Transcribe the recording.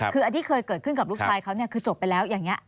คืออันที่เคยเกิดขึ้นกับลูกชายเขาเนี่ยคือจบไปแล้วอย่างนี้